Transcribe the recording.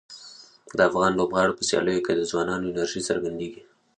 د افغان لوبغاړو په سیالیو کې د ځوانانو انرژي څرګندیږي.